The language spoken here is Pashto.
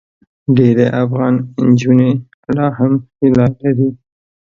ډېری افغان نجونې لا هم هیله لري.